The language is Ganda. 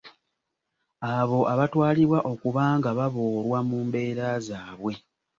Abo abatwalibwa okuba nga baboolwa mu mbeera zaabwe.